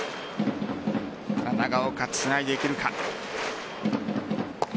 長岡、つないでいけるか。